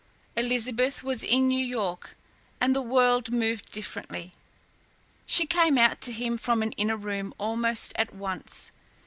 Elizabeth was in New York, and the world moved differently. She came out to him from an inner room almost at once.